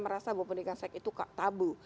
merasa bahwa pendidikan seks itu tabu